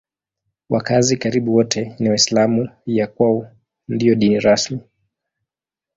Wakazi karibu wote ni Waislamu; ya kwao ndiyo dini rasmi.